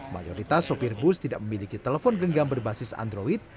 mayoritas sopir bus tidak memiliki telepon genggam berbasis android